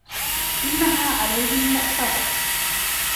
إنها عليهم مؤصدة